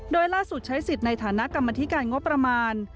โดยล่าสุดใช้สิทธิ์ในฐานะกรรมธิการงบประมาณ